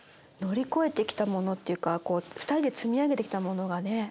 乗り越えて来たものっていうか２人で積み上げて来たものがね。